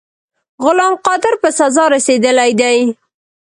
غلام قادر په سزا رسېدلی دی.